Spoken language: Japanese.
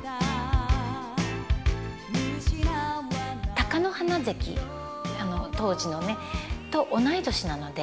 貴乃花関当時のねと同い年なので。